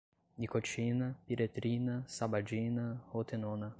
nicotina, piretrina, sabadina, rotenona